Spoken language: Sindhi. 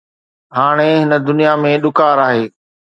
هاڻي هن دنيا ۾ ڏڪار آهي